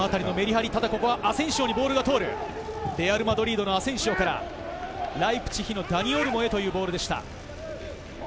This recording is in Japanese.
アセンシオ、レアル・マドリードのアセンシオからライプチヒのダニ・オルモへというボールでした。